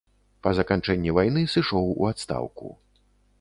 Па заканчэнні вайны сышоў у адстаўку.